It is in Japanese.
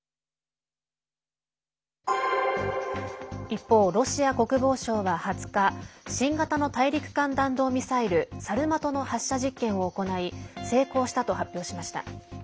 一方、ロシア国防省は２０日新型の大陸間弾道ミサイル「サルマト」の発射実験を行い成功したと発表しました。